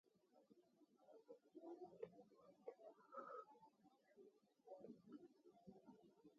هغې بلې غلې ښځې ته یې سزا وټاکله.